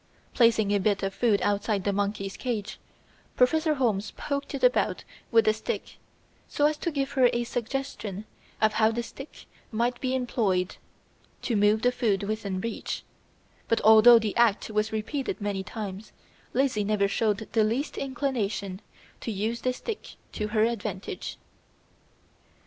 Placing a bit of food outside his monkey's cage, Professor Holmes "poked it about with the stick so as to give her a suggestion of how the stick might be employed to move the food within reach, but although the act was repeated many times Lizzie never showed the least inclination to use the stick to her advantage."